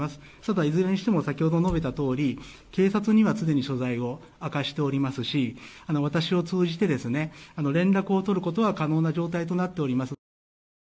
ただいずれにしても先ほど述べたとおり警察にはすでに所在を明かしていますし私を通じて連絡を取ることは可能な状態となっております。